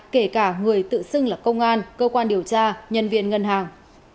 kể cả người tự xưng là công an cơ quan điều tra nhân viên ngân hàng